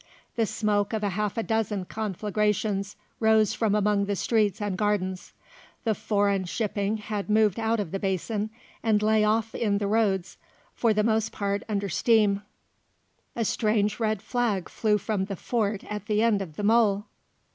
The smoke of half a dozen conflagrations rose from among the streets and gardens; the foreign shipping had moved out of the basin and lay off in the roads, for the most part under steam; a strange red flag flew from the fort at the end of the mole.